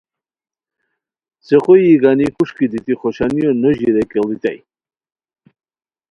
څیقو یی گانی کوݰکی دیتی خوشانیو نو ژیرئے کیڑیتائے